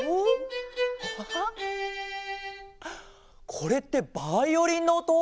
これってバイオリンのおと？